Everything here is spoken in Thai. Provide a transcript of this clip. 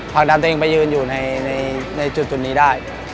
ผลักดันตัวเองไปยืนอยู่ในจุดนี้ได้